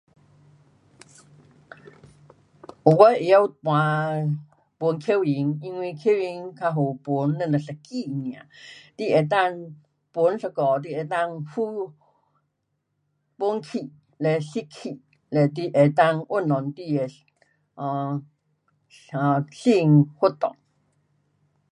我会晓弹，吹口琴，因为口琴较好吹，你只一支尔。你能够吹一下，你能够呼，吹气，嘞吸气，嘞你能够运动你的，um um 心活动。